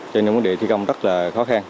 cho nên vấn đề thi công rất là khó khăn